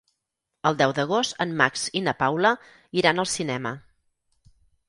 El deu d'agost en Max i na Paula iran al cinema.